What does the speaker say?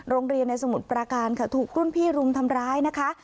โรงเรียนในสมุทรปราการค่ะถูกรุ่นพี่รุมทำร้ายนะคะ